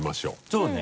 そうね。